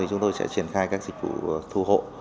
chúng tôi sẽ triển khai các dịch vụ thu hộ